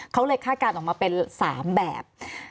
เขาเลยคาดการณ์ออกมาเป็น๓แบบ